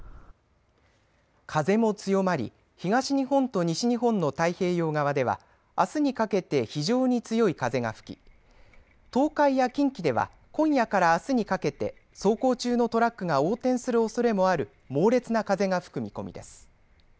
風も強まり東日本と西日本の太平洋側ではあすにかけて非常に強い風が吹き東海や近畿では今夜からあすにかけて走行中のトラックが横転するおそれもある猛烈な風が吹く見込みです。